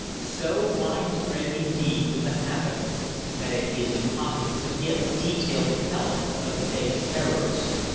So widespread, indeed, was the havoc, that it is impossible to give a detailed account of the day's terrors.